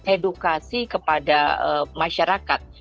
edukasi kepada masyarakat